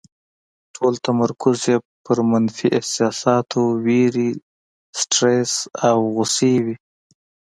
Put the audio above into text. ټول تمرکز یې په منفي احساساتو، وېرې، سټرس او غوسې وي.